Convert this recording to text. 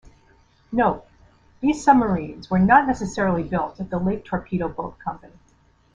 Note - these submarines were not necessarily built at the Lake Torpedo Boat Company.